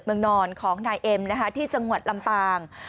เมืองนอนของนายเอ็มนะคะที่จังหวัดลำปาง